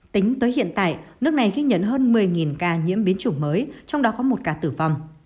tính tới hiện tại nước này ghi nhận hơn một mươi ca nhiễm biến chủng mới trong đó có một ca tử vong